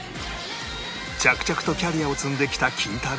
着々とキャリアを積んできたキンタロー。